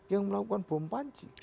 yang melakukan bom panci